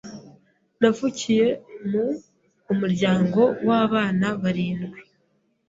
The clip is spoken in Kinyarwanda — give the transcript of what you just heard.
navukiye mu umuryango w’abana barindwi,